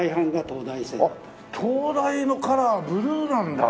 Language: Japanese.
東大のカラーブルーなんだ！